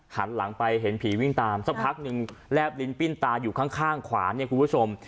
หันหลังไปเห็นผีวิ่งตามสักพักนึงแลบลิ้นปิ้นตาอยู่ข้างขวาเนี่ยคุณผู้ชม